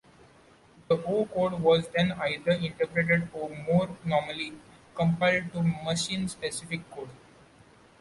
The O-code was then either interpreted or, more normally, compiled to machine specific code.